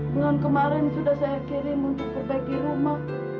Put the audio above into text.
bulan kemarin sudah saya kirim untuk perbaiki rumah